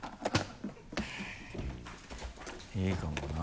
いいかもな。